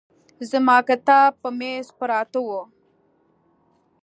زما کتاب په مېز پراته وو.